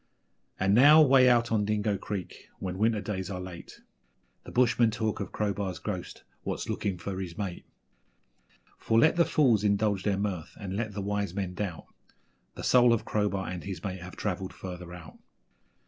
And now, way out on Dingo Creek, when winter days are late, The bushmen talk of Crowbar's ghost 'what's looking for his mate'; For let the fools indulge their mirth, and let the wise men doubt The soul of Crowbar and his mate have travelled further out.